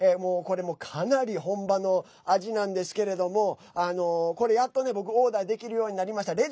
これもかなり本場の味なんですけれどもこれ、やっと僕オーダーできるようになりました。